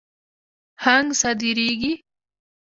هنګ صادریږي.